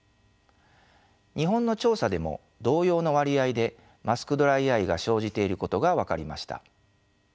日本の調査でも同様の割合でマスクドライアイが生じていることが分かりました。